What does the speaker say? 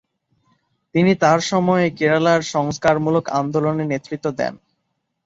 তিনি তার সময়ে কেরালায় সংস্কারমূলক আন্দোলনে নেতৃত্ব দেন।